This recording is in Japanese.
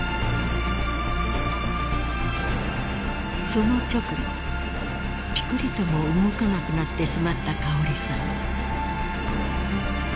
［その直後ぴくりとも動かなくなってしまった香織さん］